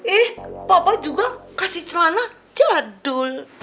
eh bapak juga kasih celana jadul